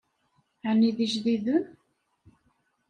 Ɛni d ijdiden?